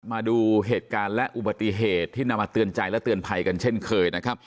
มาดูเหตุการณ์และอุบัติเหตุที่นำมาเตือนใจและเตือนภัยกันเช่นเคยนะครับ